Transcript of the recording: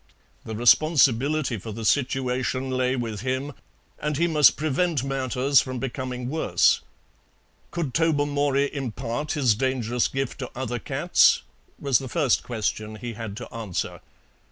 The responsibility for the situation lay with him, and he must prevent matters from becoming worse. Could Tobermory impart his dangerous gift to other cats? was the first question he had to answer.